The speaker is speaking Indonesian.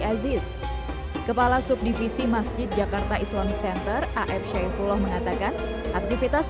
aziz kepala subdivisi masjid jakarta islamic center af syaifullah mengatakan aktivitas